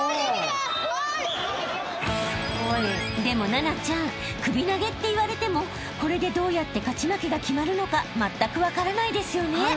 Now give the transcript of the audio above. ［でも奈々ちゃん首投げって言われてもこれでどうやって勝ち負けが決まるのかまったく分からないですよね］